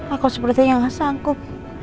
aku sepertinya gak sanggup